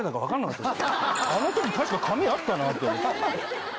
あの当時確か髪あったなって思って。